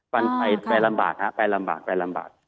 ไปลำบากครับไปลำบากไปลำบาก